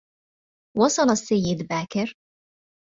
وصل السّيّد باكر.